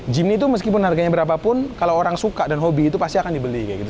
jimmy itu meskipun harganya berapapun kalau orang suka dan hobi itu pasti akan dibeli